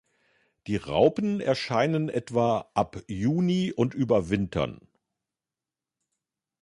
Die Raupen erscheinen etwa ab Juni und überwintern.